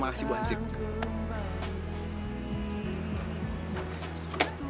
saat nanti saat ku pergi dan takkan kembali